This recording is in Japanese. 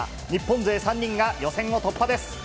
日本勢３人が予選を突破です。